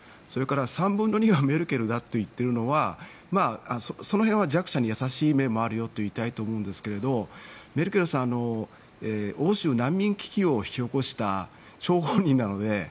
それから、３分の２はメルケルだと言っているのはその辺は弱者にやさしい面もあるよと言いたいと思うんですけどメルケルさん欧州難民危機を引き起こした張本人なので。